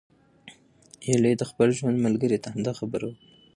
ایلي د خپل ژوند ملګری ته همدا خبره وکړه.